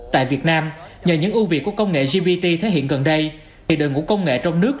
tại việt nam nhờ những ưu việt của công nghệ gpt thể hiện gần đây việc đội ngũ công nghệ trong nước